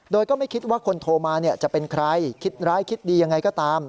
โดยก็ไม่คิดว่าคนโทรมาจะเป็นใครคิดร้ายคิดดียังไงก็ตาม